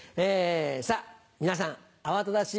さあ、皆さん、慌ただしい